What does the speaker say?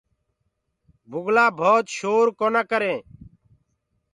بُگلآ ڀوت شور ڪونآ ڪرينٚ۔